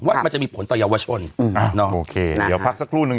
ว่ามันจะมีผลต่อเยาวชนอืมอ่าเนาะโอเคเดี๋ยวพักสักครู่นึง